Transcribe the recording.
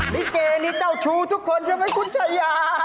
ลิเกนี่เจ้าชู้ทุกคนใช่ไหมคุณชายา